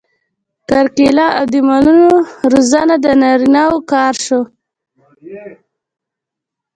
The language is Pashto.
کرکیله او د مالونو روزنه د نارینه وو کار شو.